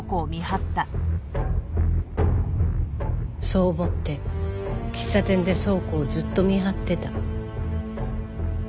そう思って喫茶店で倉庫をずっと見張ってた。